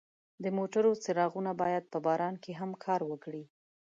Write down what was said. د موټرو څراغونه باید په باران کې هم کار وکړي.